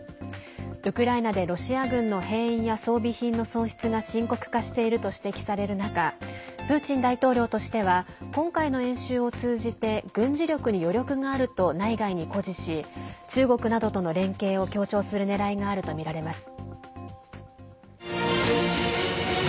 ウクライナでロシア軍の兵員や装備品の損失が深刻化していると指摘される中プーチン大統領としては今回の演習を通じて軍事力に余力があると内外に誇示し中国などとの連携を強調するねらいがあるとみられます。